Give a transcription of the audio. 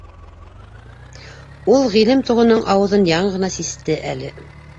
Ул ғилем тоғоноң ауыҙын яңы ғына систе әле.